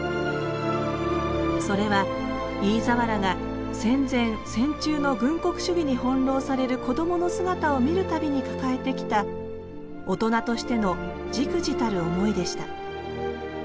それは飯沢らが戦前戦中の軍国主義に翻弄されるこどもの姿を見る度に抱えてきた大人としてのじくじたる思いでした